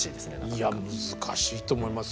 いや難しいと思います。